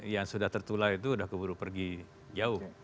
yang sudah tertular itu sudah keburu pergi jauh